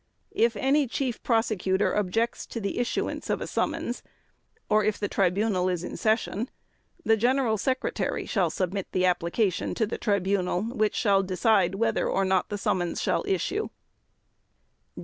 If any Chief Prosecutor objects to the issuance of a summons, or if the Tribunal is in session, the General Secretary shall submit the application to the Tribunal, which shall decide whether or not the summons shall issue.